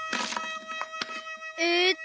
えっと